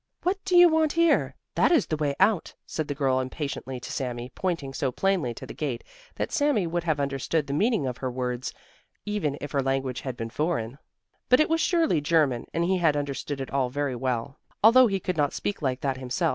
"What do you want here? That is the way out," said the girl impatiently to Sami, pointing so plainly to the gate that Sami would have understood the meaning of her words even if her language had been foreign. But it was surely German, and he had understood it all very well, although he could not speak like that himself.